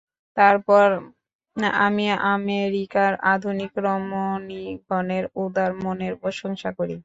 তারপর, আমি আমেরিকার আধুনিক রমণীগণের উদার মনের প্রশংসা করি।